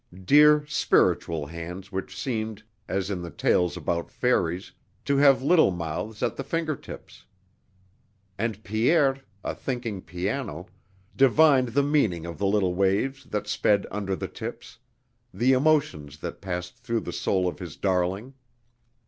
Dear spiritual hands which seemed, as in the tales about fairies, to have little mouths at the finger tips! And Pierre, a thinking piano, divined the meaning of the little waves that sped under the tips, the emotions that passed through the soul of his darling.